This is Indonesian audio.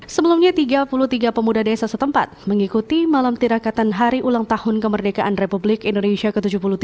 sebelumnya tiga puluh tiga pemuda desa setempat mengikuti malam tirakatan hari ulang tahun kemerdekaan republik indonesia ke tujuh puluh tiga